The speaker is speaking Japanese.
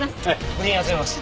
部品集めます。